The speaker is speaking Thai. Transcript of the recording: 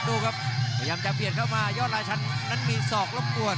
ดูครับพยายามจะเบียดเข้ามายอดราชันนั้นมีศอกลบกวน